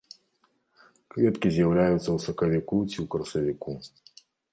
Кветкі з'яўляюцца ў сакавіку ці ў красавіку.